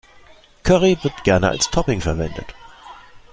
Curry wird gerne als Topping verwendet.